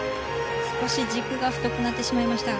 少し軸が太くなってしまいました。